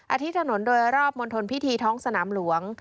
ที่ถนนโดยรอบมณฑลพิธีท้องสนามหลวง